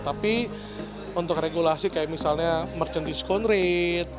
tapi untuk regulasi kayak misalnya merchant discount rate